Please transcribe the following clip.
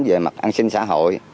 về mặt an sinh xã hội